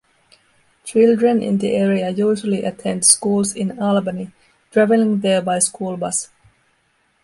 Children in the area usually attend schools in Albany, travelling there by school bus.